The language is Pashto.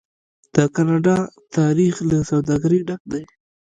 د کاناډا تاریخ له سوداګرۍ ډک دی.